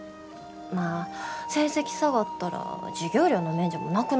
まあ成績下がったら授業料の免除もなくなってまうし。